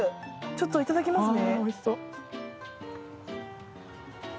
ちょっと、いただきますね。